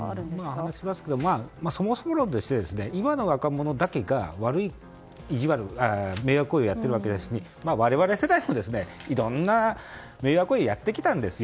話しますが、そもそも論として今の若者だけが迷惑行為をやっているわけではなくて我々世代もいろんな迷惑行為をやってきたんですよ。